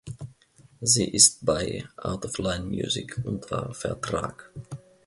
Sie ist bei Out of Line Music unter Vertrag.